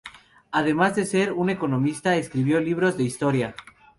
Además de ser un economista, escribió libros de historia.